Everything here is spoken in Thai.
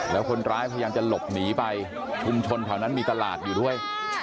แล้วคนร้ายพยายามจะหลบหนีไปชุมชนแถวนั้นมีตลาดอยู่ด้วย